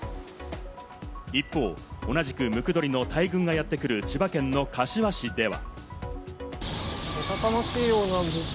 一方、同じくムクドリの大群がやってくる千葉県の柏市では。